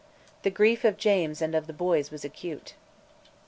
The grief of James and of the boys was acute.